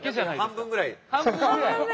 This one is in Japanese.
半分ぐらい。